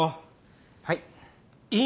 はい。